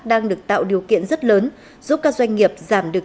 đang được tạo điều kiện rất lớn giúp các doanh nghiệp giảm được